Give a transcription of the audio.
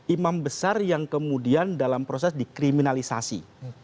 imam besar yang kemudian dalam proses dikriminalisasi